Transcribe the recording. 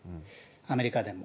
アメリカでも。